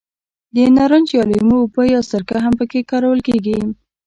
د نارنج یا لیمو اوبه یا سرکه هم په کې کارول کېږي.